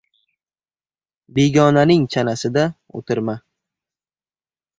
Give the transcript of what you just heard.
• Begonaning chanasida o‘tirma.